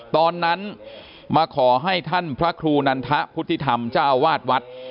ตอนนั้นมาขอให้ท่านพระครูนันทะพุทธิธรรมเจ้าวาดวัด